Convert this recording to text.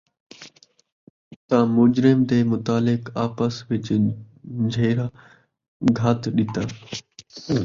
تاں مجرم دے متعلق آپس وِچ جھیڑا گھت ݙِتا